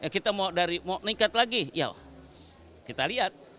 kita mau meningkat lagi ya kita lihat